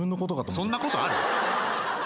そんなことある？